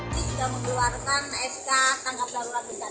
ini sudah mengeluarkan sk tanggap darurat di sana